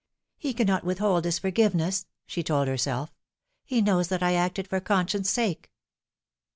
" He cannot withhold his forgiveness," she told herself. " He knows that I acted for conscience' sake."